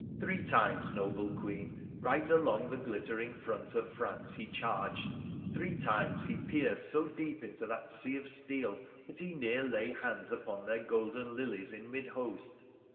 Three times, noble Queen, right along the glittering front of France he charged, three times he pierced so deep into that sea of steel that he near lay hands upon their golden lilies in mid host.